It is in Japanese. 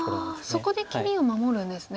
そこで切りを守るんですね。